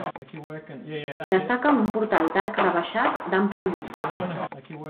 Destaca un portal d'arc rebaixat d'ampla llum.